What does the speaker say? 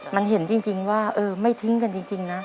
มันเห็นจริงว่าเออไม่ทิ้งกันจริงนะ